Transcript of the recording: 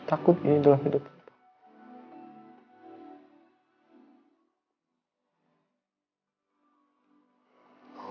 takut ini dalam hidupku